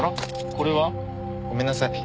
これは？ごめんなさい。